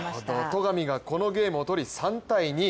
戸上がこのゲームをとり３−２。